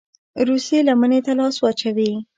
روسيې لمني ته لاس واچوي.